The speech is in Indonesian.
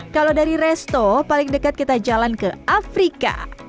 kalau dari resto paling dekat kita jalan ke afrika